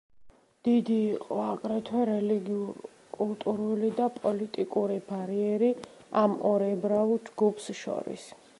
დიდი იყო აგრეთვე რელიგიურ-კულტურული და პოლიტიკური ბარიერი ამ ორ ებრაულ ჯგუფს შორის.